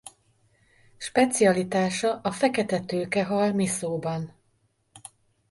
Specialitása a fekete tőkehal miszoban.